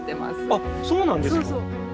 あっそうなんですか！